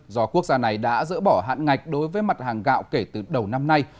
do quốc gia này đã dỡ bỏ hạn ngạch đối với mặt hàng gạo kể từ đầu năm nay